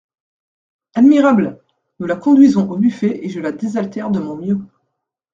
Admirable ! Nous la conduisons au buffet et je la désaltère de mon mieux.